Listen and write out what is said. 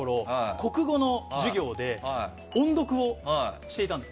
国語の授業で音読をしていたんです。